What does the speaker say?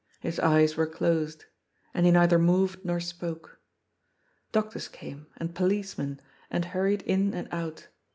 His eyes were closed. And he neither moved nor spoke. Doctors came, and policemen, and hurried in and out.